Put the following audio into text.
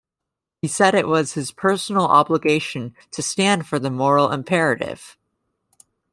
He said it was his personal obligation to stand for the moral imperative.